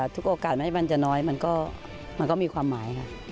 ทุกโอกาสไม่ให้มันจะน้อยมันก็มีความหมายค่ะ